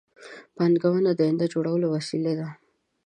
پانګونه د آینده د جوړولو وسیله ده